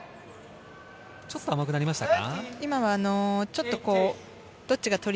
ちょっと甘くなりましたか？